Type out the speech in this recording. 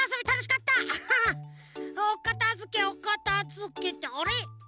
おかたづけおかたづけってあれ？